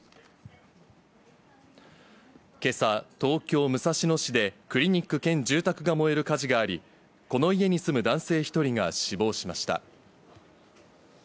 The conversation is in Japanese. けさ、東京・武蔵野市で、クリニック兼住宅が燃える火事があり、この家に住む男性１人が死亡しました。